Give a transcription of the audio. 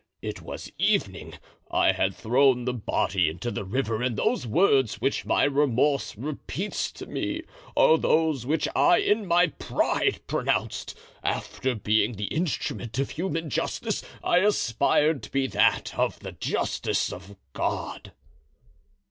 It was evening; I had thrown the body into the river and those words which my remorse repeats to me are those which I in my pride pronounced. After being the instrument of human justice I aspired to be that of the justice of God."